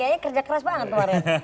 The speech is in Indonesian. kayaknya kerja keras banget kemarin